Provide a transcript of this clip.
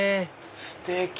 ステキ！